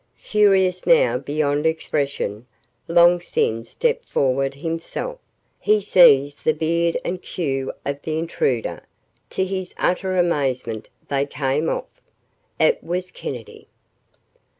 Furious now beyond expression, Long Sin stepped forward himself. He seized the beard and queue of the intruder. To his utter amazement, they came off! It was Kennedy!